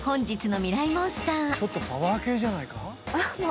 ちょっとパワー系じゃないか？